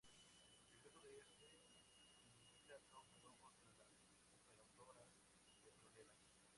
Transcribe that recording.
El secretario de este último sindicato cargó contra las operadoras petroleras.